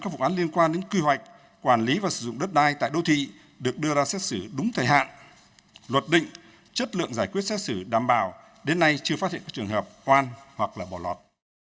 các vụ án liên quan đến quy hoạch quản lý và sử dụng đất đai tại đô thị được đưa ra xét xử đúng thời hạn luật định chất lượng giải quyết xét xử đảm bảo đến nay chưa phát hiện các trường hợp khoan hoặc là bỏ lọt